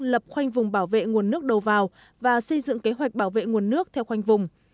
lập khoanh vùng bảo vệ nguồn nước đầu vào và xây dựng kế hoạch bảo vệ nguồn nước theo khoanh vùng